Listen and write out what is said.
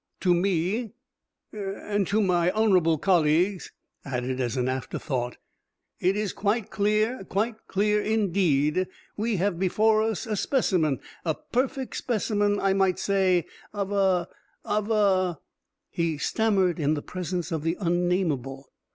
To me and to my honorable colleagues (added as an afterthought) it is quite clear. Quite clear, indeed. We have before us a specimen, a perfect specimen, I might say, of a of a " He stammered in the presence of the unnamable.